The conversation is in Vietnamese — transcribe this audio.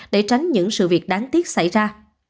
để tránh những sự việc đáng tiếc xảy ra